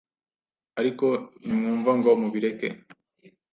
ariko ntimwumva ngo mubireke